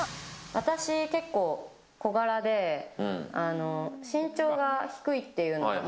私、結構小柄で身長が低いというのが。